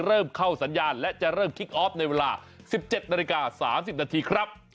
เริ่มเข้าสัญญาณและจะเริ่มคิกออฟในเวลา๑๗นาฬิกา๓๐นาทีครับ